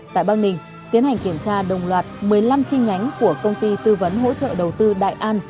tại băng ninh tiến hành kiểm tra đồng loạt một mươi năm chi nhánh của công ty tư vấn hỗ trợ đầu tư đại an